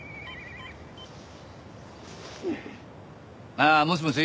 ああもしもし？